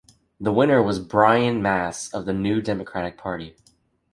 The winner was Brian Masse of the New Democratic Party.